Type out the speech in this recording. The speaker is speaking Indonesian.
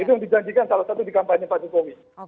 itu yang dijanjikan salah satu di kampanye pak jokowi